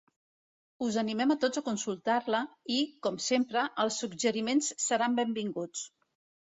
Us animem a tots a consultar-la i, com sempre, els suggeriments seran benvinguts.